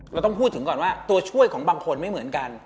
เราต้องพูดถึงก่อนว่าตัวช่วยของบางคนไม่เหมือนกัน